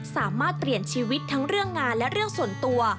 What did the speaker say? สามารถเปลี่ยนชีวิตทั้งเรื่องงานและเรื่องส่วนตัว